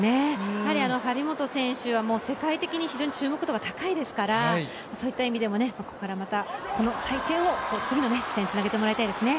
張本選手は世界的に非常に注目度が高いですからそういった意味でも、ここからまたこの敗戦を次の試合につなげていただきたいですね。